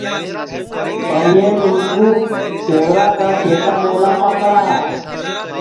سپائین اُن کُو سیوراکا کھیتیملا پاکڑا